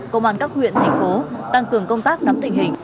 công an các huyện thành phố tăng cường công tác nắm tình hình